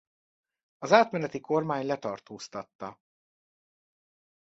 Az átmeneti kormány letartóztatta.